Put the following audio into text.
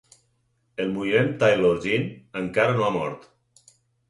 El moviment Taylor Jean encara no ha mort.